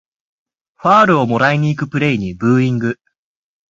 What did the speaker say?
ファールをもらいにいくプレイにブーイング